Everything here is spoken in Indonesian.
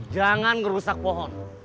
jangan ngerusak pohon